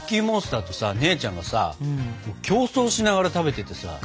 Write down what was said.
モンスターとさ姉ちゃんがさ競争しながら食べててさ。